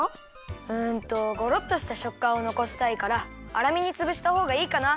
うんとゴロっとしたしょっかんをのこしたいからあらめにつぶしたほうがいいかな。